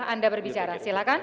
anda berbicara silahkan